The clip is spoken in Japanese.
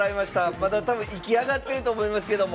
まだたぶん、息上がってると思いますけども。